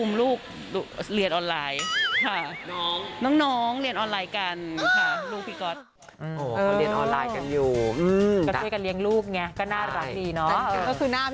มันนั่งอยู่กับสวน